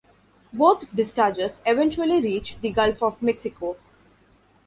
Both discharges eventually reach the Gulf of Mexico.